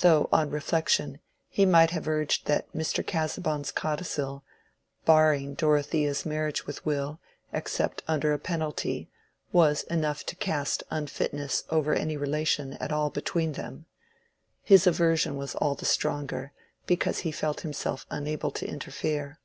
—though on reflection he might have urged that Mr. Casaubon's codicil, barring Dorothea's marriage with Will, except under a penalty, was enough to cast unfitness over any relation at all between them. His aversion was all the stronger because he felt himself unable to interfere.